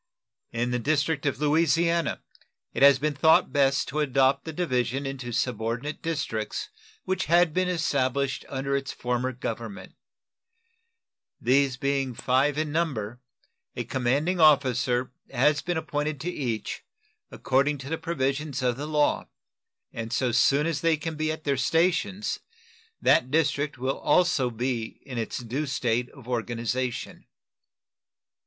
In the district of Louisiana it has been thought best to adopt the division into subordinate districts which had been established under its former government. These being five in number, a commanding officer has been appointed to each, according to the provisions of the law, and so soon as they can be at their stations that district will also be in its due state of organization.